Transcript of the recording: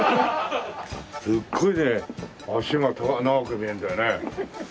すっごいね脚が長く見えるんだよね。